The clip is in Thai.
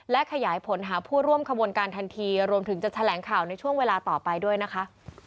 และขยายผลหาผู้ร่วมขบวนการทันทีรวมถึงจะแถลงข่าวในช่วงเวลาต่อไปด้วยนะคะ